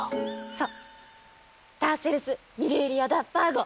そうターセルス・ミルーリア・ダ・パーゴ。